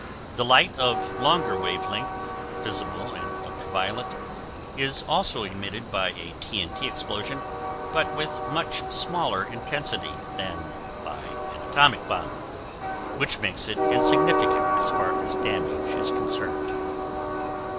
The light of longer wave length (visible and ultra violet) is also emitted by a T.N.T. explosion, but with much smaller intensity than by an atomic bomb, which makes it insignificant as far as damage is concerned.